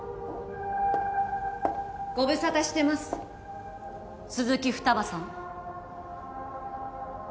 ご無沙汰してます鈴木二葉さん。